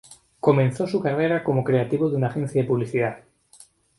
Comenzó su carrera como creativo de una agencia de publicidad.